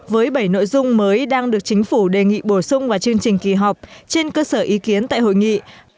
với bảy nội dung mới đang được chính phủ đề nghị bổ sung vào chương trình kỳ họp trên cơ sở ý kiến tại hội nghị